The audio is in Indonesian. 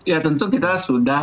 ya tentu kita sudah